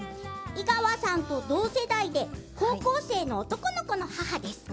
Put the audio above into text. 井川さんと同世代で高校生の男の子の母です。